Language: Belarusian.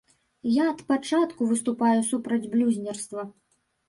Я ад пачатку выступаю супраць блюзнерства.